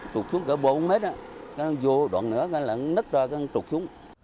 trục xuống cả bốn mét vô đoạn nữa nớp ra trục xuống